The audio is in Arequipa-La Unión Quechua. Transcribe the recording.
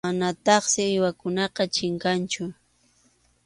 Manataqsi uywakunapas chinkanchu.